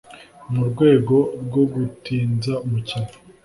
mu rwego rwo gutinza umukino